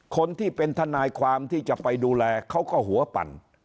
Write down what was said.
คนที่เป็นทนายความที่จะไปดูแลเขาก็หัวปั่น